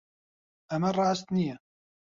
ئەمە ڕاست نییە.